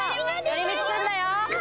寄り道すんなよ！